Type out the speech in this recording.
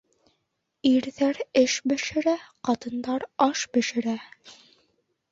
Ирҙәр эш бешерә, ҡатындар аш бешерә.